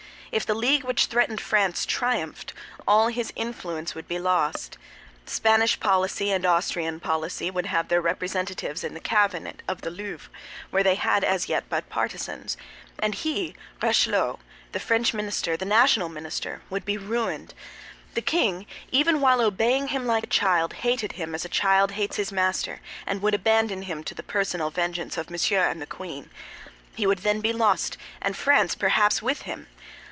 If the league which threatened France triumphed, all his influence would be lost. Spanish policy and Austrian policy would have their representatives in the cabinet of the Louvre, where they had as yet but partisans; and he, Richelieu—the French minister, the national minister—would be ruined. The king, even while obeying him like a child, hated him as a child hates his master, and would abandon him to the personal vengeance of Monsieur and the queen. He would then be lost, and France, perhaps, with him.